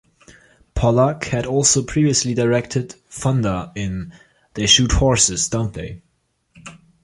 Pollack had also previously directed Fonda in They Shoot Horses, Don't They?